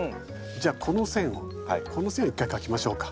じゃあこの線をこの線を一回描きましょうか。